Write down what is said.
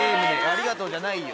「ありがとう」じゃないよ。